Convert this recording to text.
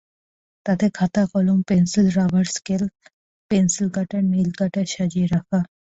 তাতে খাতা, কলম, pencil, rubber, scale, pencil cutter, nail cutter সাজিয়ে রাখা।